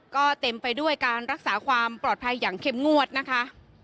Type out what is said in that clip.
ก็เต็มไปด้วยการรักษาความปลอดภัยอย่างเข้มงวดนะคะ